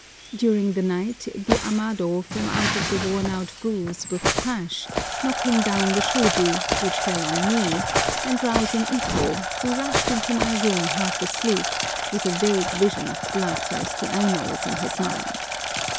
During the night the amado fell out of the worn out grooves with a crash, knocking down the shôji, which fell on me, and rousing Ito, who rushed into my room half asleep, with a vague vision of blood thirsty Ainos in his mind.